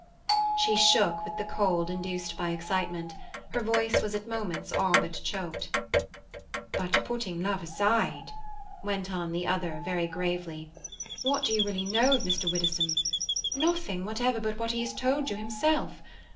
She shook with the cold induced by excitement; her voice was at moments all but choked. "But, putting love aside," went on the other, very gravely, "what do you really know of Mr. Widdowson? Nothing whatever but what he has told you himself.